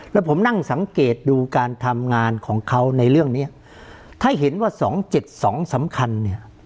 แล้วผมนั่งสังเกตดูการทำงานของเขาในเรื่องเนี้ยถ้าเห็นว่าสองเจ็ดสองสำคัญเนี่ย